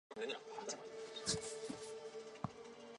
朱云影人。